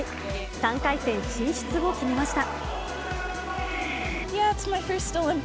３回戦進出を決めました。